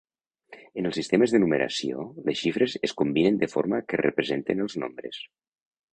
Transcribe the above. En els sistemes de numeració, les xifres es combinen de forma que representen els nombres.